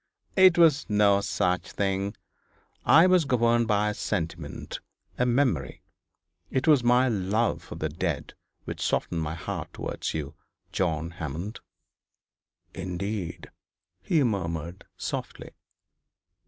'It was no such thing. I was governed by a sentiment a memory. It was my love for the dead which softened my heart towards you, John Hammond.' 'Indeed!' he murmured, softly.